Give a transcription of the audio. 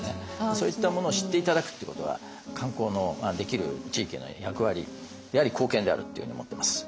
そういったものを知って頂くっていうことは観光のできる地域の役割であり貢献であるっていうふうに思ってます。